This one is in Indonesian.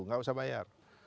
nggak usah bayar